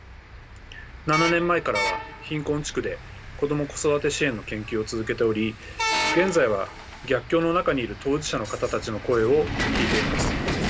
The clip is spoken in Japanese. ７年前からは貧困地区で子ども子育て支援の研究を続けており現在は逆境の中にいる当事者の方たちの声を聞いています。